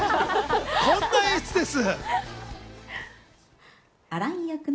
こんな演出です。